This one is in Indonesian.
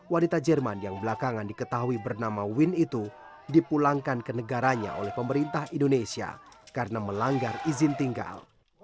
wanita jerman yang belakangan diketahui bernama win itu dipulangkan ke negaranya oleh pemerintah indonesia karena melanggar izin tinggal